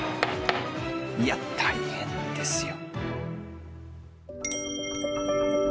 いや大変ですよ。